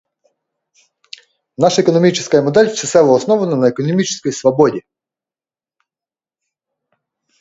Наша экономическая модель всецело основана на экономической свободе.